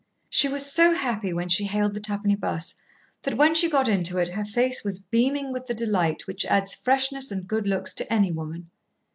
She was so happy when she hailed the twopenny bus that when she got into it her face was beaming with the delight which adds freshness and good looks to any woman.